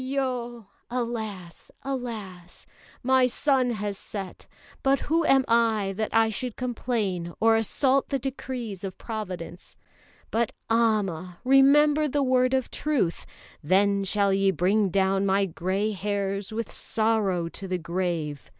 Aiyo!" (Alas! Alas!) "My sun has set; but who am I, that I should complain or assault the decrees of Providence? But Amma! remember the word of truth: 'Then shall ye bring down my grey hairs with sorrow to the grave.'"